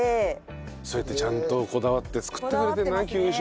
そうやってちゃんとこだわって作ってくれてるんだね給食。